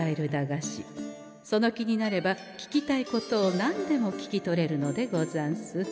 その気になれば聞きたいことを何でも聞き取れるのでござんす。